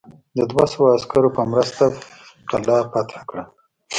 د دوه سوه عسکرو په مرسته قلا فتح کړه.